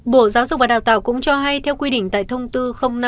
bộ giáo dục và đào tạo cũng cho hay theo quy định tại thông tư năm hai nghìn hai mươi ba